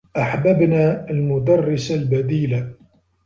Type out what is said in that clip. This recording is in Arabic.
أحببنا المدرّس البديل.